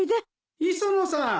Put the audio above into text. ・磯野さん！